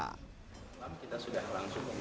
kita sudah langsung komunikasi dengan pengelola formula e